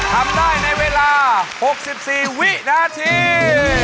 ทำได้ในเวลา๖๔วินาที